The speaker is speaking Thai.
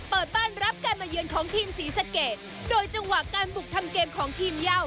เปิดบ้านรับการมาเยือนของทีมศรีสะเกดโดยจังหวะการบุกทำเกมของทีมเย่า